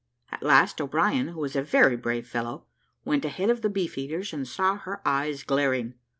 At last O'Brien, who was a very brave fellow, went a head of the beef eaters, and saw her eyes glaring.